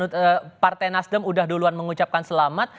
karena partai nasdem sudah duluan mengucapkan selamat